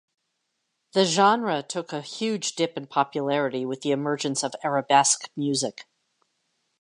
The genre took a huge dip in popularity with the emergence of Arabesque music.